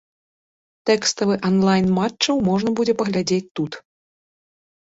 Тэкставы анлайн матчаў можна будзе паглядзець тут.